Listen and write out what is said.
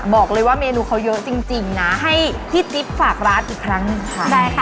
บอกเลยว่าเมนูเขาเยอะจริงจริงนะให้พี่จิ๊บฝากร้านอีกครั้งหนึ่งค่ะได้ค่ะ